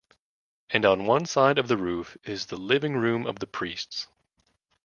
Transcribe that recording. And on one side of the roof is the living room of the priests.